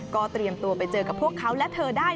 ก็เตรียมตัวไปเจอกับพวกเขาและเธอได้